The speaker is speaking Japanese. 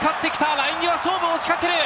ライン際、勝負を仕掛ける！